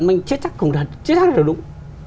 mình chết chắc cũng là đúng